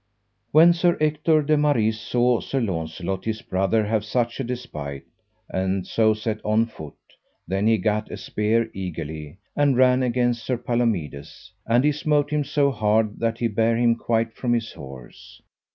When Sir Ector de Maris saw Sir Launcelot his brother have such a despite, and so set on foot, then he gat a spear eagerly, and ran against Sir Palomides, and he smote him so hard that he bare him quite from his horse.